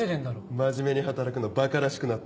真面目に働くのばからしくなった？